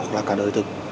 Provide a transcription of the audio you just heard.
hoặc là cả đời thực